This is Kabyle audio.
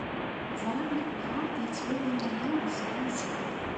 Ẓriɣ Yuba yettwali aya yesɛa azal.